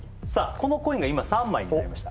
このコインが今３枚になりました